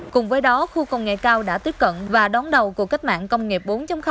cùng với đó khu công nghệ cao đã tiếp cận và đón đầu cuộc cách mạng công nghệ bốn